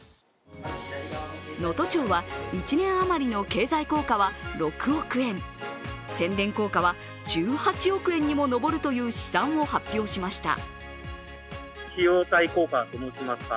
能登町は１年余りの経済効果は６億円、宣伝効果は１８億円にも上るという試算を発表しました。